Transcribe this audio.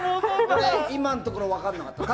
今のところ、分からなかった。